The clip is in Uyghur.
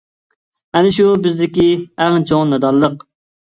ئەنە شۇ بىزدىكى ئەڭ چوڭ نادانلىق.